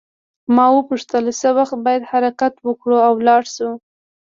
ما وپوښتل څه وخت باید حرکت وکړو او ولاړ شو.